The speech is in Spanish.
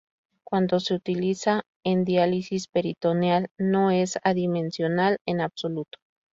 Cuando se utiliza en diálisis peritoneal, no es adimensional en absoluto.